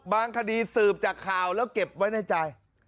คดีสืบจากข่าวแล้วเก็บไว้ในใจ